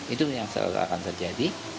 itu yang akan terjadi